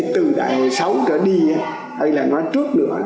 từ đại hội sáu trở đi hay là nói trước nữa